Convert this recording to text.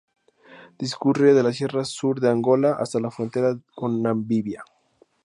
Discurre de la sierra sur de Angola hasta la frontera con Namibia.